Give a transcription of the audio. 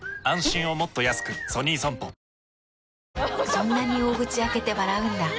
そんなに大口開けて笑うんだ。